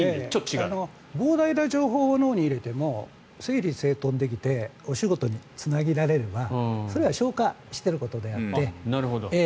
膨大な情報を脳に入れても整理整頓できてお仕事につなげられればそれは消化してることであって。